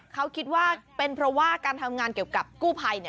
เขาคิดว่าเป็นเพราะว่าการทำงานเกี่ยวกับกู้ภัย